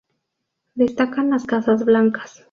Destacan las casas blancas.